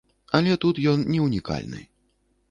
Але тут ён не ўнікальны.